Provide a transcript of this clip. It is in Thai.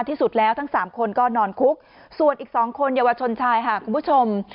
ที่สุดแล้วทั้งสามคนก็นอนคุกส่วนอีก๒คนเยาวชนชายค่ะคุณผู้ชม